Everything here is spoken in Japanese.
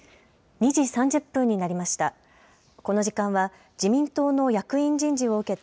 ２時３０分になりました。